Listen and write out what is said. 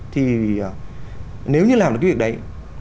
thì nếu như làm được cái việc đấy